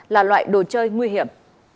là loại đồ chơi nguy hiểm